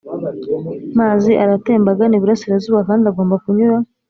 mazi aratemba agana iburasirazuba kandi agomba kunyura